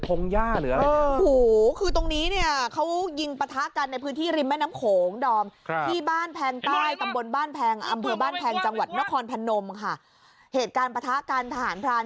โอ้โหทีนี้มีปะทะกัน